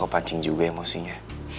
gue kepancing juga emosinya